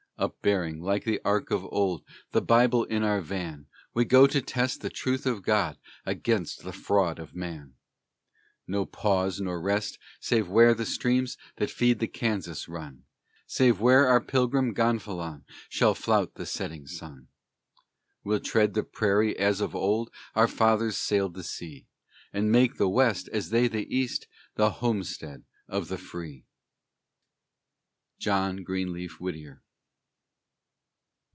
Upbearing, like the Ark of old, The Bible in our van, We go to test the truth of God Against the fraud of man. No pause, nor rest, save where the streams That feed the Kansas run, Save where our Pilgrim gonfalon Shall flout the setting sun! We'll tread the prairie as of old Our fathers sailed the sea, And make the West, as they the East, The homestead of the free! JOHN GREENLEAF WHITTIER.